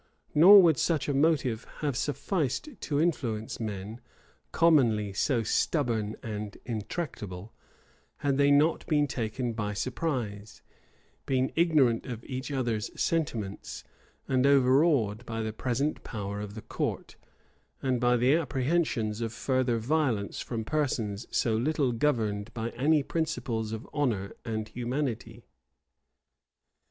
[v] Nor would such a motive have sufficed to influence men, commonly so stubborn and untractable, had they not been taken by surprise, been ignorant of each other's sentiments, and overawed by the present power of the court, and by the apprehensions of further violence from persons so little governed by any principles of honor and humanity.